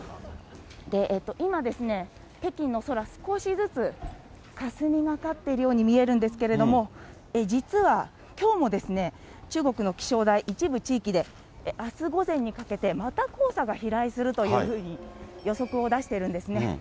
今ですね、北京の空、少しずつかすみがかっているように見えるんですけれども、実は、きょうもですね、中国の気象台、一部地域であす午前にかけて、また黄砂が飛来するというふうに予測を出してるんですね。